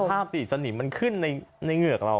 ภาพสิสนิมมันขึ้นในเหงือกเรา